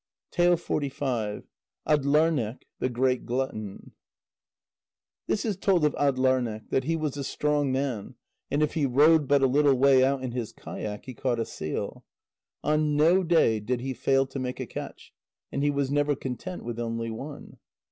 ATDLARNEQ, THE GREAT GLUTTON This is told of Atdlarneq: that he was a strong man, and if he rowed but a little way out in his kayak, he caught a seal. On no day did he fail to make a catch, and he was never content with only one.